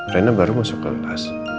rena baru masuk kelas